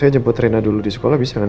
saya jemput rina dulu di sekolah bisa kan